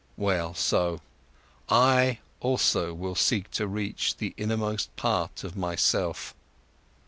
Well so, I also will seek to reach the innermost part of my self.